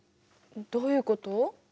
どういうこと？